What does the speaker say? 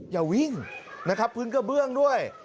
อย่าวิ่งนะครับพื้นกระเบื้องด้วย